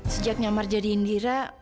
sejaknya mar jadi indira